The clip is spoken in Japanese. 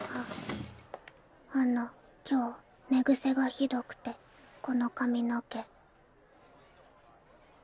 あの今日寝癖がひどくてこの髪の毛。